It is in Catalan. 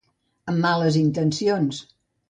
Amb males intencions.